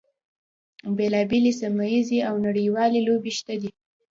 بیلا بېلې سیمه ییزې او نړیوالې لوبې شته دي.